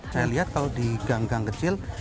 saya lihat kalau di gang gang kecil